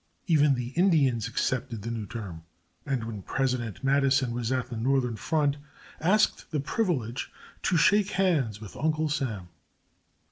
Even the Indians accepted the new term, and when President Madison was at the northern front asked the privilege "to shake hands with Uncle Sam."